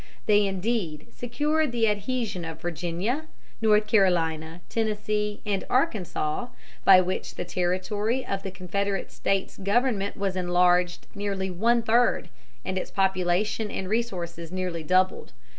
They indeed secured the adhesion of Virginia, North Carolina, Tennessee, and Arkansas, by which the territory of the Confederate States government was enlarged nearly one third and its population and resources nearly doubled.